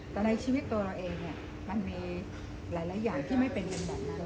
แต่ในชีวิตตัวเราเองค่ะมันมีหลายหลายอย่างที่ไม่เป็นในนั้น